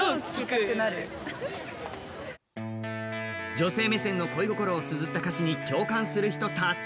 女性目線の恋心をつづった歌詞に共感する人多数。